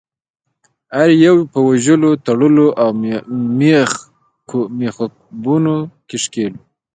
هر یو یې په وژلو، تړلو او میخکوبونو کې ښکیل وو.